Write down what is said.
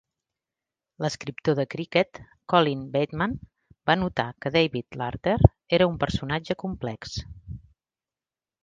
L'escriptor de cricket, Colin Bateman, va notar que David Larter era un personatge complex.